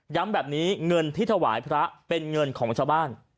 แบบนี้เงินที่ถวายพระเป็นเงินของชาวบ้าน